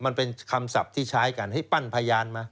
มันเป็นคำศัพท์ที่ใช้กันให้ปั้นพยานมา